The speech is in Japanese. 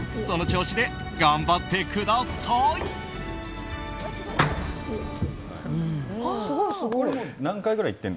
その調子で頑張ってください！